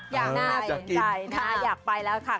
อยากได้อยากไปแล้วค่ะ